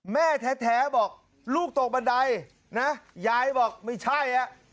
แม่แท้บอกลูกตกบันไดนะยายบอกไม่ใช่อ่ะ